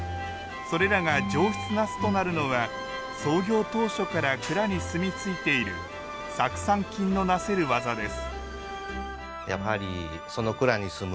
それらが上質な酢となるのは創業当初から蔵に住み着いている酢酸菌のなせるわざです